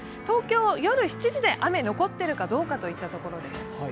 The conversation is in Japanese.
東京は夜７時で、雨が残っているかどうかといったところです。